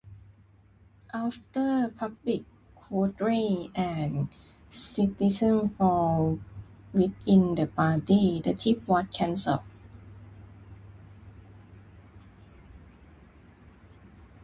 After public outcry, and criticism from within the party, the trip was cancelled.